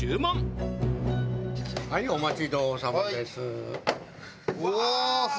はいお待ちどおさまです。